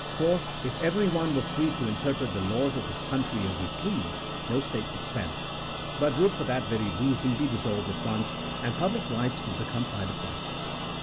for, if everyone were free to interpret the laws of his coun try as he pleased, no state could stand, but would for that very reason be dissolved at once, and public rights would become private rights.